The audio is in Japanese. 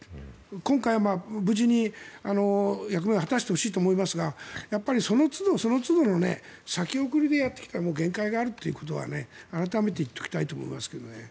今回は無事に役目を果たしてほしいと思いますがやっぱりそのつどそのつど先送りでやってきても限界があるということは改めて言っておきたいと思いますけどね。